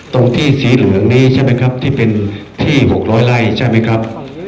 ตรงที่สีเหลืองนี้ใช่ไหมครับที่เป็นที่๖๐๐ไร่ใช่ไหมครับ